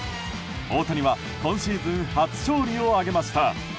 大谷は今シーズン初勝利を挙げました。